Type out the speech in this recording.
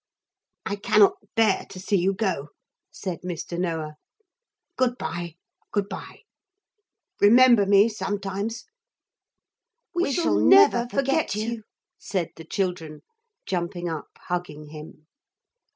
'I cannot bear to see you go,' said Mr. Noah. 'Good bye, good bye. Remember me sometimes!' 'We shall never forget you,' said the children, jumping up hugging him.